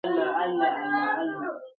• هر یو هډ یې له دردونو په ضرور سو -